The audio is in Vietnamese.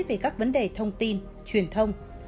về các vấn đề thông tin truyền thông